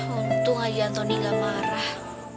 untung aja tony gak marah